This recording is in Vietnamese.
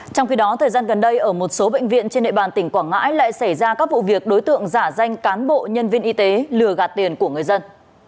trong khi đó thời gian gần đây ở một số bệnh viện trên địa bàn tỉnh quảng ngãi lại xảy ra các vụ việc đối tượng giả danh cán bộ nhân viên y tế lừa gạt tiền của người dân